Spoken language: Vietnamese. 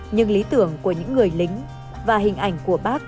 nhưng lý tưởng của những người lính và hình ảnh của bác